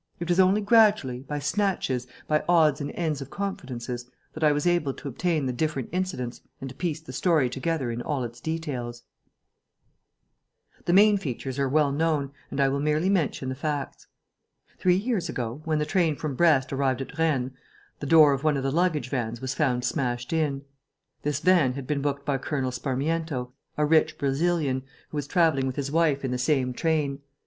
It was only gradually, by snatches, by odds and ends of confidences, that I was able to obtain the different incidents and to piece the story together in all its details. The main features are well known and I will merely mention the facts. Three years ago, when the train from Brest arrived at Rennes, the door of one of the luggage vans was found smashed in. This van had been booked by Colonel Sparmiento, a rich Brazilian, who was travelling with his wife in the same train.